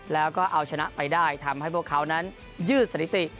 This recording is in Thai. แล้วก็เอาชนะไปได้ทำให้พวกเขานั้นยืดสถิติ